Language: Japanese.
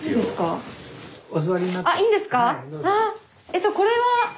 えとこれは。